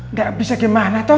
tidak bisa bagaimana tuh